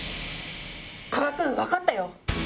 加賀君分かったよ！